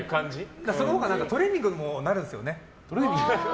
そのほうがトレーニングにもなるんですよね。